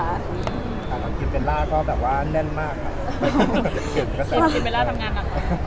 อ่าแล้วคิดเบลล่าก็แบบว่าแน่นมากค่ะคิดเบลล่าทำงานกัน